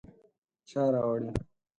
_چا راوړې ؟